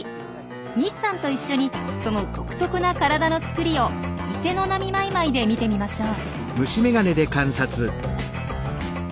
西さんと一緒にその独特な体のつくりをイセノナミマイマイで見てみましょう。